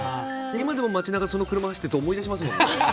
今でも街中にその車が走ってると思い出しますもん。